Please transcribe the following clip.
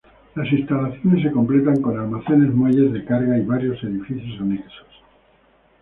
Las instalaciones se completan con almacenes, muelles de carga, y varios edificios anexos.